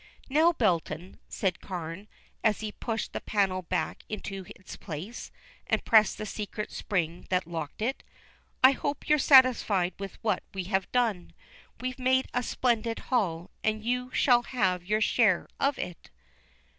"Now, Belton," said Carne, as he pushed the panel back into its place, and pressed the secret spring that locked it, "I hope you're satisfied with what we have done. We've made a splendid haul, and you shall have your share of it.